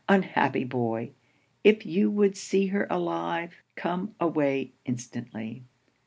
Unhappy boy! if you would see her alive, come away instantly.